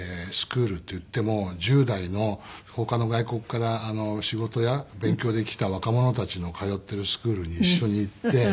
スクールっていっても１０代の他の外国から仕事や勉強で来た若者たちの通ってるスクールに一緒に行って。